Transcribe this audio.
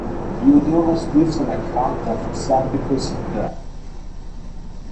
Diodorus gives an account of Xanthippus' death.